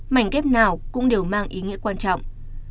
mảnh ghép nào cũng đều mang ý nghĩa quan trọng